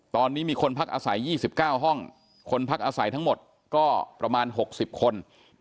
ตอนนี้มีคนพักอาศัย๒๙ห้องคนพักอาศัยทั้งหมดก็ประมาณ๖๐คน